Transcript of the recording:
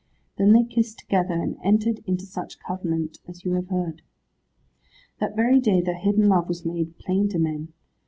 Then they kissed together, and entered into such covenant as you have heard. That very day their hidden love was made plain to men.